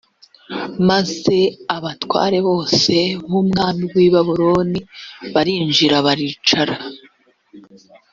maze abatware bose b umwami w i babuloni barinjira bicara